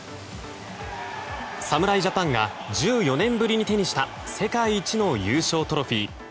侍ジャパンが１４年ぶりに手にした世界一の優勝トロフィー。